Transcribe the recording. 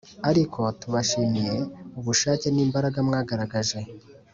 ariko tubashimiye ubushake n’imbaraga mwagaragaje